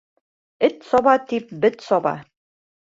Эт саба, тип, бет саба.